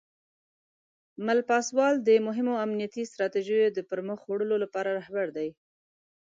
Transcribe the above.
مل پاسوال د مهمو امنیتي ستراتیژیو د پرمخ وړلو لپاره رهبر دی.